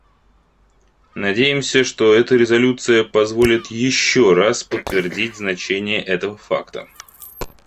Надеемся, что эта резолюция позволит еще раз подтвердить значение этого факта.